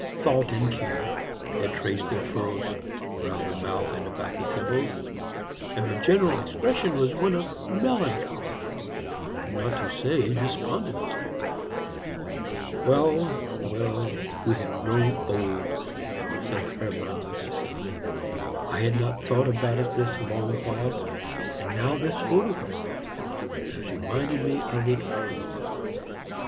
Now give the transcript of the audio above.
Thought and care had traced their furrows round the mouth and about the temples, and the general expression was one of melancholy, not to say despondency. "Well, well, we have grown old," said Hermann, with a sigh. "I had not thought about it this long while; and now this photograph has reminded me of it painfully."